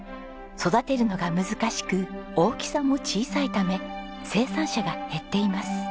育てるのが難しく大きさも小さいため生産者が減っています。